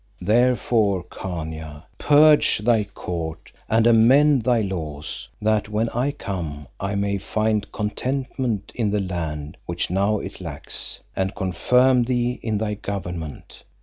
Therefore, Khania, purge thy court and amend thy laws, that when I come I may find contentment in the land which now it lacks, and confirm thee in thy government.